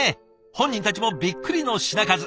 本人たちもびっくりの品数。